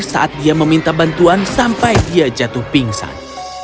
saat dia meminta bantuan sampai dia jatuh pingsan